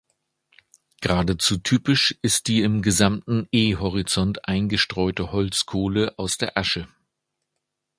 Geradezu typisch ist die im gesamten E-Horizont eingestreute Holzkohle aus der Asche.